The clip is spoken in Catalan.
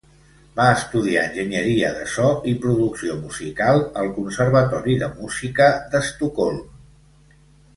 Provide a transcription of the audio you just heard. Va estudiar enginyeria de so i producció musical al conservatori de música d'Estocolm.